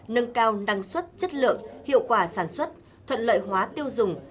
nâng cao năng suất chất lượng hiệu quả sản xuất thuận lợi hóa tiêu dùng